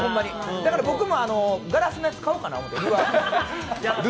だから僕もガラスのやつ買おうかなって。